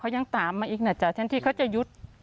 เขายังตามมาอีกนะจ๊ะแทนที่เขาจะหยุด